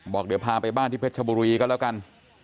บอกเดี๋ยวพาไปบ้านที่เพชรชบุรีก็แล้วกัน